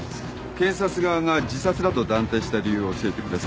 検察側が自殺だと断定した理由を教えてください。